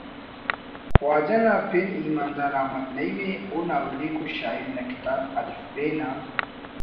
خواجہ نا پِن ایماندار احمد نعیم ءِ اونا اولیکو شاعری نا کتاب ''الف ب'' نا